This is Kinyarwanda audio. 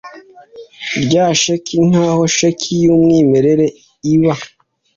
rya sheki nk aho sheki y umwimerere iba